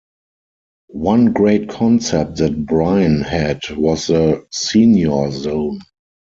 One great concept that Brian had was of the senior zone.